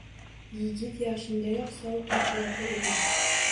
Yigit yoshingdayoq sovuq yurtlarda eding